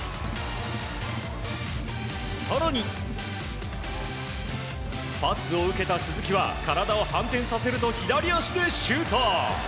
更にパスを受けた鈴木は体を反転させると左足でシュート。